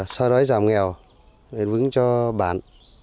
xóa đói giảm nghèo để vững cho bản